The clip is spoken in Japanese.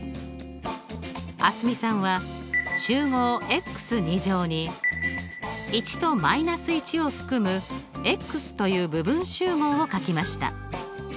蒼澄さんは集合に１と−１を含むという部分集合を書きました。